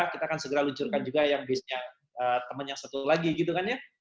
kita akan segera luncurkan juga yang base nya temen yang satu lagi gitu kan ya